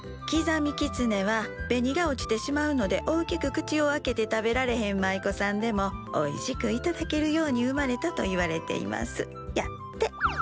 刻みきつねは紅が落ちてしまうので大きく口を開けて食べられへん舞妓さんでもおいしく頂けるように生まれたといわれていますやって。